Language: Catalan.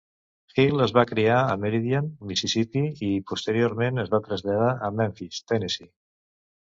Hill es va criar a Meridian, Mississipí, i posteriorment es va traslladar a Memphis, Tennessee.